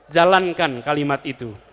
jalankan kalimat itu